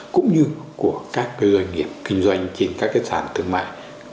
cũng như của các doanh nghiệp kinh doanh trên các sản thương mại